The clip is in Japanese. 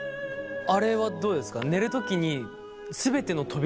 あれはどうですか？